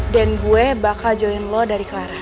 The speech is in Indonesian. dan gue bakal join lo dari kelaran